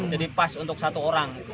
jadi pas untuk satu orang